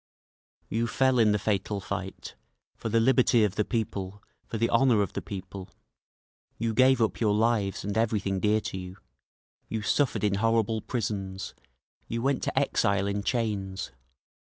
You fell in the fatal fight For the liberty of the people, for the honour of the people…. You gave up your lives and everything dear to you, You suffered in horrible prisons, You went to exile in chains….